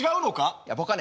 いや僕はね